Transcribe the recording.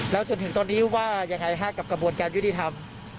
แล้วจนถึงตอนนี้ว่ายังไงฮะกับกระบวนการยุติธรรม